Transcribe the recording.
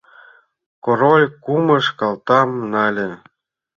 Король кумыж калтам нале.